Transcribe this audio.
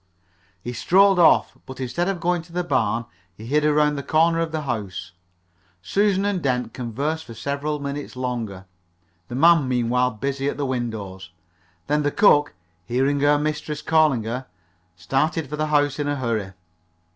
He strolled off, but instead of going to the barn he hid around the corner of the house. Susan and Dent conversed for several minutes longer, the man meanwhile busy at the windows. Then the cook, hearing her mistress calling her, started for the house in a hurry.